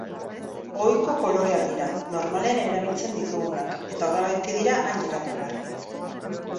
Ohiko koloreak dira, normalean erabiltzen ditugunak, eta horregatik dira hain erakargarriak.